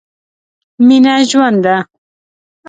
مينه ژوند ده.